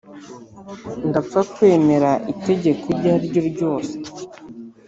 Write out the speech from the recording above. ndapfa kwemera Itegeko iryariryo ryose